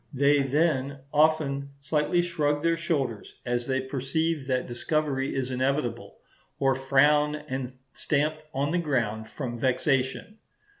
They then often slightly shrug their shoulders, as they perceive that discovery is inevitable, or frown and stamp on the ground from vexation.